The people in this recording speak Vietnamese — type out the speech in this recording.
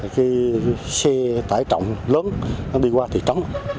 cái xe tải trọng lớn đi qua thị trấn